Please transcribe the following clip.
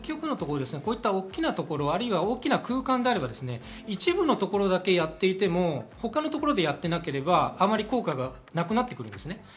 大きなところ、大きな空間であれば、一部のところだけやっていても、他のところでやってなければあまり効果がなくなってきます。